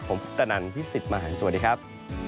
ผมตะนันพิษศิษฐ์มาหันสวัสดีครับ